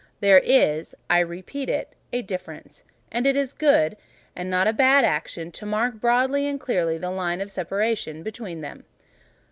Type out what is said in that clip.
There is—I repeat it—a difference; and it is a good, and not a bad action to mark broadly and clearly the line of separation between them.